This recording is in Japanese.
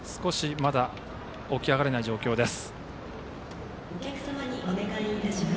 まだ起き上がれない状況です。